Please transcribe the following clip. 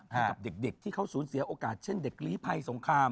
ให้กับเด็กที่เขาสูญเสียโอกาสเช่นเด็กลีภัยสงคราม